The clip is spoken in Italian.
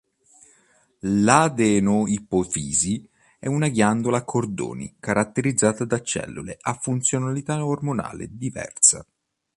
L'adenoipofisi è una ghiandola a cordoni caratterizzata da cellule a funzionalità ormonale diversa.